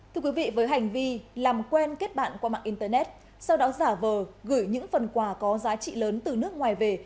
thưa quý vị với hành vi làm quen kết bạn qua mạng internet sau đó giả vờ gửi những phần quà có giá trị lớn từ nước ngoài về